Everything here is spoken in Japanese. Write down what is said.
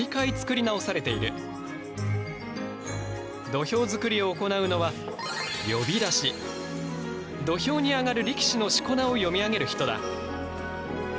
土俵作りを行うのは土俵に上がる力士のしこ名を読み上げる人だ。